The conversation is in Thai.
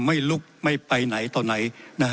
ไม่ลุกไม่ไปไหนต่อไหน